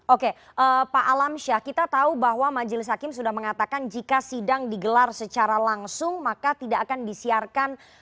oke pak alamsyah kita tahu bahwa majelis hakim sudah mengatakan jika sidang digelar secara langsung maka tidak akan disiarkan